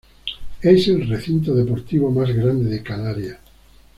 Es el recinto deportivo más grande de Canarias.